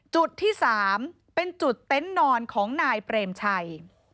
จุดที่๓เป็นจุดเต็นต์นอนของนายเปรมชัย